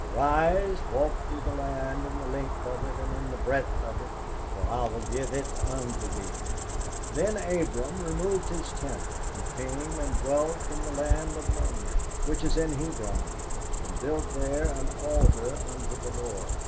Arise, walk through the land in the length of it and in the breadth of it; for I will give it unto thee. Then Abram removed his tent, and came and dwelt in the plain of Mamre, which is in Hebron, and built there an altar unto the Lord.'